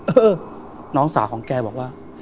เออน้องสาวของแกบอกว่า